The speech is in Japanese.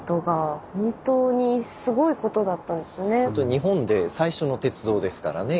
日本で最初の鉄道ですからね